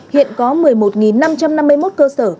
hiện có một mươi một năm trăm năm mươi một cơ sở